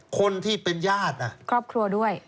คนที่เป็นญาติครอบครัวด้วย